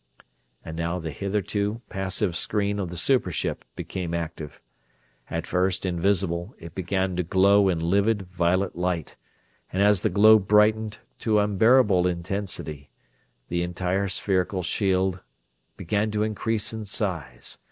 And now the hitherto passive screen of the super ship became active. At first invisible, it began to glow in livid, violet light, and as the glow brightened to unbearable intensity the entire spherical shield began to increase in size.